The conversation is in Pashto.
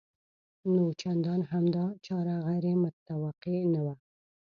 نو چندان هم دا چاره غیر متوقع نه وه